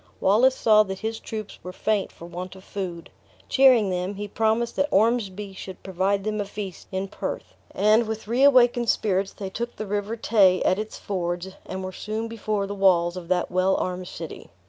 Wallace saw that his troops were faint for want of food; cheering them, he promised that Ormsby should provide them a feast in Perth; and, with reawakened spirits, they took the River Tay at its fords, and were soon before the walls of that well armed city.